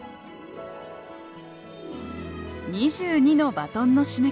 ２２のバトンの締めくくり。